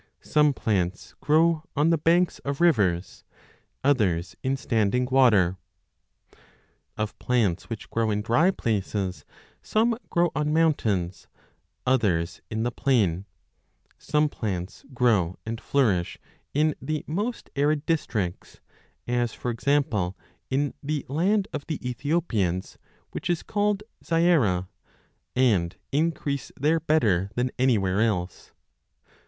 1 820 a Some plants grow on the banks of rivers, others in standing water. Of plants which grow in dry places, some grow on mountains, others in the plain ; some plants grow and flourish in the most arid districts, as, for example, in the 5 land of the Ethiopians which is called Ziara, 2 and increase there better than anywhere else.